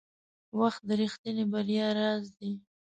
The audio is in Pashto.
• وخت د رښتیني بریا راز دی.